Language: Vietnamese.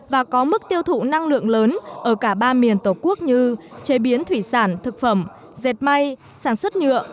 và có mức tiêu thụ năng lượng lớn ở cả ba miền tổ quốc như chế biến thủy sản thực phẩm dệt may sản xuất nhựa